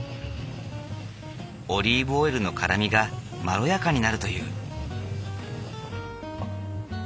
オリーブオイルの辛みがまろやかになるという。